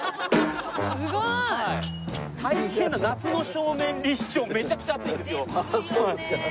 すごい！大変夏の正面立哨めちゃくちゃ暑いんですよ。ですよね。